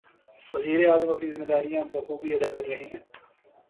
وزیر اعظم اپنی ذمہ داریاں بخوبی ادا کر رہے ہیں۔